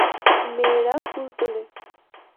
মেয়েরা ফুল তোলে।